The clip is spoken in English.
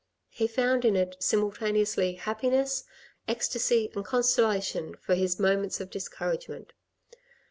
He found in it simultaneously happiness, ecstasy and consolation for his moments of discouragement.